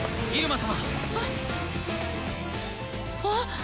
あっ？